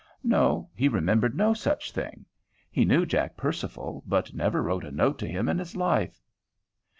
No, he remembered no such thing; he knew Jack Percival, but never wrote a note to him in his life.